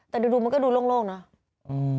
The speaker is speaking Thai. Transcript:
แต่ดูมันก็ดูโล่งนะ